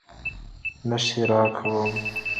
نه ښېرا نه کوم